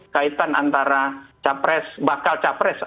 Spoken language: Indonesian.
kaitan antara capres bakal capres